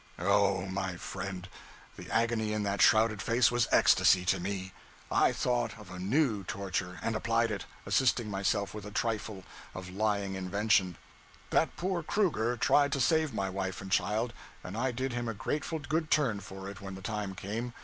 Oh, my friend, the agony in that shrouded face was ecstasy to see! I thought of a new torture, and applied it assisting myself with a trifle of lying invention 'That poor Kruger tried to save my wife and child, and I did him a grateful good turn for it when the time came.